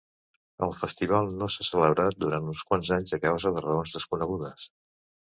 El festival no s'ha celebrat durant uns quants anys a causa de raons desconegudes.